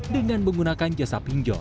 dengan menggunakan jasa pinjol